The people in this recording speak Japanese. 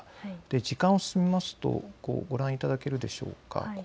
時間を進めますとご覧いただけるでしょうか。